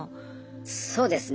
そうですね。